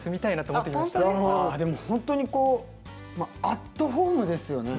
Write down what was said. あっでも本当にアットホームですよね。